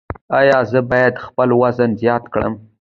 ایا زه باید خپل وزن زیات کړم؟